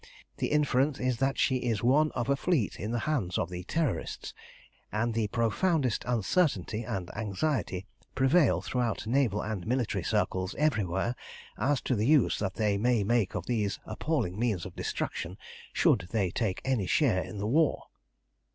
The inference is that she is one of a fleet in the hands of the Terrorists, and the profoundest uncertainty and anxiety prevail throughout naval and military circles everywhere as to the use that they may make of these appalling means of destruction should they take any share in the war."